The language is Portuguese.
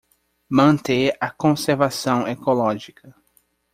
Manter a conservação ecológica